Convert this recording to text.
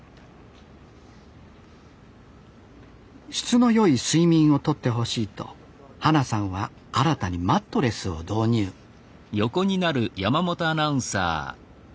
質の良い睡眠をとってほしいと花さんは新たにマットレスを導入あ